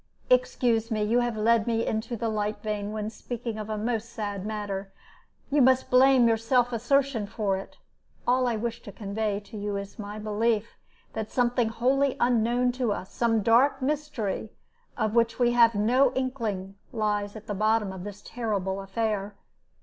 Excuse me; you have led me into the light vein, when speaking of a most sad matter. You must blame your self assertion for it. All I wish to convey to you is my belief that something wholly unknown to us, some dark mystery of which we have no inkling, lies at the bottom of this terrible affair.